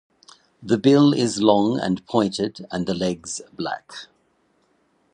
The bill is long and pointed and the legs black.